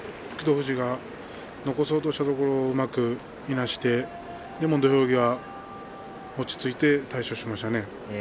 富士が残そうとしたところうまくいなして土俵際落ち着いて対処しましたよね。